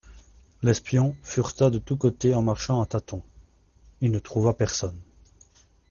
L'espion fureta de tous côtés en marchant à tâtons ; il ne trouva personne.